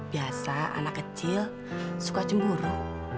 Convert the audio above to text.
biasa anak kecil suka cemburu